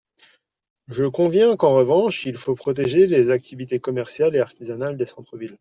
Je conviens qu’en revanche, il faut protéger les activités commerciales et artisanales des centres-villes.